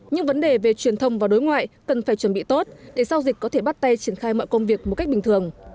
những vấn đề về truyền thông và đối ngoại cần phải chuẩn bị tốt để sau dịch có thể bắt tay triển khai mọi công việc một cách bình thường